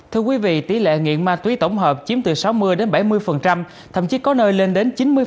thưa quý vị tỷ lệ nghiện ma túy tổng hợp chiếm từ sáu mươi bảy mươi thậm chí có nơi lên đến chín mươi